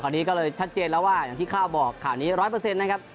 คราวนี้ก็เลยชัดเจนแล้วว่าอย่างที่ข้าวบอกคราวนี้ร้อยเปอร์เซ็นต์นะครับ